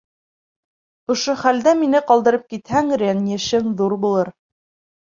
— Ошо хәлдә мине ҡалдырып китһәң, рәнйешем ҙур булыр.